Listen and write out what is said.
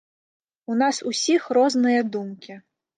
У нас усіх розныя думкі.